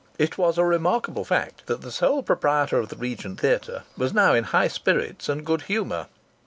It was a remarkable fact that the sole proprietor of the Regent Theatre was now in high spirits and good humour.